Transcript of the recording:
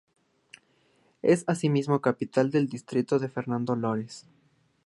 Es asimismo capital del distrito de Fernando Lores.